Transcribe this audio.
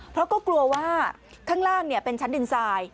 เพราะก็กลัวว่าข้างล่างเป็นชั้นดินทราย